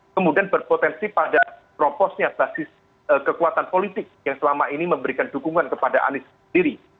kemudian berpotensi pada proposnya basis kekuatan politik yang selama ini memberikan dukungan kepada anies sendiri